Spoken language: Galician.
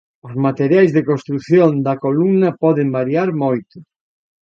Os materiais de construción da columna poden variar moito.